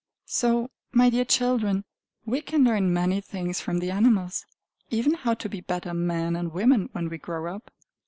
So, my dear children, we can learn many things from the animals, even how to be better men and women when we grow up.